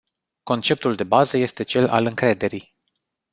Conceptul de bază este cel al încrederii.